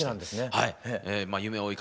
はい。